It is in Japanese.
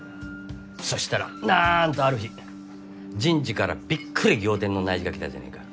そしたらなんとある日人事からびっくり仰天の内示が来たじゃねぇか。